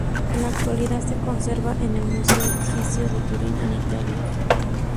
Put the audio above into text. En la actualidad se conserva en el Museo Egipcio de Turín, en Italia.